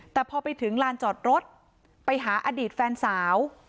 แต่พอไปถึงลานจอดรถไปหาอดีตแฟนสาว